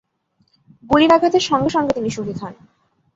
গুলির আঘাতে সঙ্গে সঙ্গে তিনি শহীদ হন।